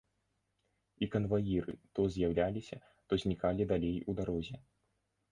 І канваіры то з'яўляліся, то знікалі далей у дарозе.